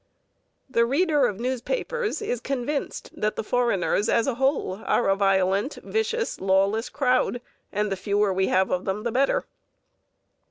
The reader of newspapers is convinced that the foreigners as a whole are a violent, vicious, lawless crowd, and the fewer we have of them the better.